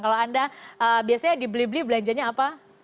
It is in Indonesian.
kalau anda biasanya di beli beli belanjanya apa